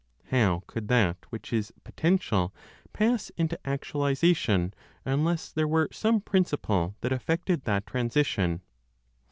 How could that which is potential pass into actualization unless there were some principle that effected that transition?